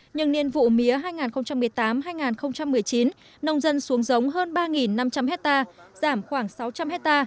nhưng niên vụ mía hai nghìn một mươi tám hai nghìn một mươi chín nông dân xuống giống hơn ba năm trăm linh hectare giảm khoảng sáu trăm linh hectare